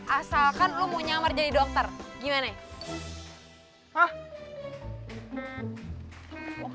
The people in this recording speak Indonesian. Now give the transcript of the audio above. asalkan lu mau nyamar jadi dokter gimana hah kamu nih ada aja nyamar jadi dokter